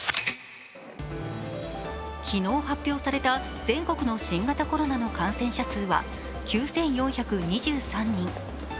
昨日発表された全国の新型コロナの感染者数は９４２３人。